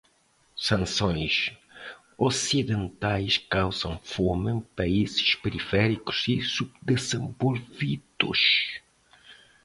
Sanções ocidentais causam fome em países periféricos e subdesenvolvidos